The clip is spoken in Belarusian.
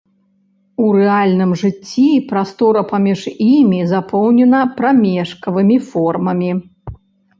У рэальным жыцці прастора паміж імі запоўнена прамежкавымі формамі.